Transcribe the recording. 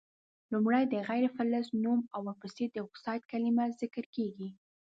لومړی د غیر فلز نوم او ورپسي د اکسایډ کلمه ذکر کیږي.